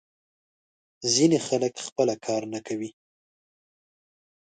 ځینې خلک خپله کار نه کوي.